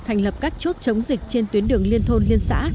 thành lập các chốt chống dịch trên tuyến đường liên thôn liên xã